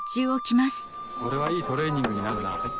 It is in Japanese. これはいいトレーニングになるな。